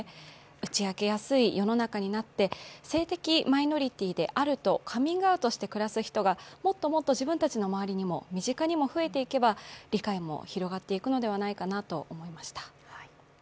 打ち明けやすい世の中になって性的マイノリティーであるとカミングアウトして暮らす人がもっともっと自分たちの周りにも増えていけば理解も広がっていくのではないかなと思いました。